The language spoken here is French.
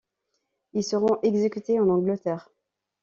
Ils seront exécutés en Angleterre.